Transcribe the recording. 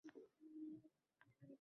Ammo! Bularni kim yo‘ldan oladi?